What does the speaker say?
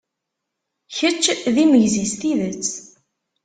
Kečč d imegzi s tidet!